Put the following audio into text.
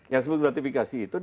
yang disebut gratifikasi itu